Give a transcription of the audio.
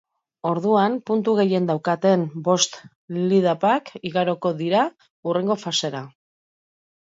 Orduan, puntu gehien daukaten bost lipdubak igaroko dira hurrengo fasera.